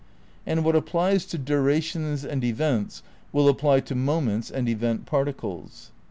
And what ap plies to durations and events will apply to moments and event particles